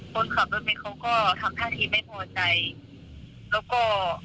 คนขับรถเมฆเขาก็ทำท่าทีไม่พอใจแล้วก็